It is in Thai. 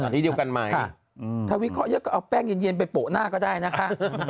ถ้าวิเคราะห์เยอะก็เอาแป้งหยินไปโปะหน้าก็ได้นะคะ